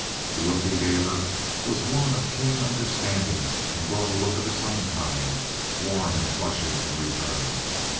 The look he gave her was one of keen understanding, and brought a look of its own kind, warm and flushing, in return.